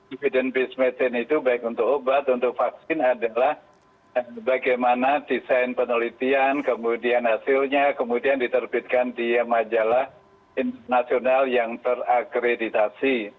evidence based mesin itu baik untuk obat untuk vaksin adalah bagaimana desain penelitian kemudian hasilnya kemudian diterbitkan di majalah internasional yang terakreditasi